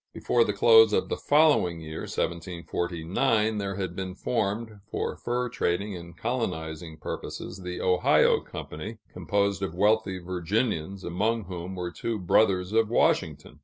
Before the close of the following year (1749), there had been formed, for fur trading and colonizing purposes, the Ohio Company, composed of wealthy Virginians, among whom were two brothers of Washington.